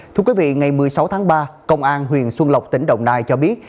thưa quý vị ngày một mươi sáu tháng ba công an huyện xuân lộc tỉnh đồng nai cho biết